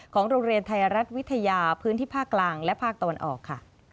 โรงเรียนไทยรัฐวิทยาพื้นที่ภาคกลางและภาคตะวันออกค่ะ